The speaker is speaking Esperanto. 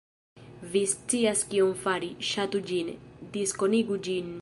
Vi scias kion fari - Ŝatu ĝin, diskonigu ĝin